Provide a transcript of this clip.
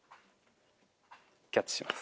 キャッチします。